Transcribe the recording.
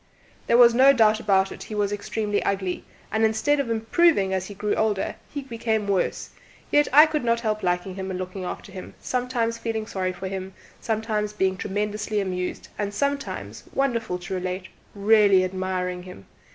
There is no doubt about it he was extremely ugly, and instead of improving as he grew older, he became worse; yet, I could not help liking him and looking after him, sometimes feeling sorry for him, sometimes being tremendously amused, and sometimes wonderful to relate really admiring him.